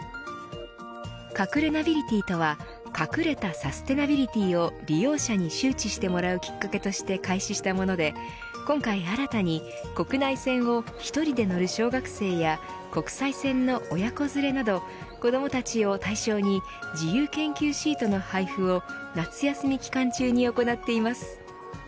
かくれナビリティとは隠れたサスティナビリティを利用者に周知してもらうきっかけとして開始したもので今回新たに国内線を１人で乗る小学生や国際線の親子連れなど子どもたちを対象に自由研究シートの配布を夏休み期間中に行っています。